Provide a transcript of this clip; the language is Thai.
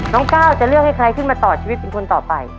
ก้าวจะเลือกให้ใครขึ้นมาต่อชีวิตเป็นคนต่อไป